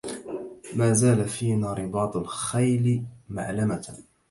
ما زال فينا رباط الخيل معلمة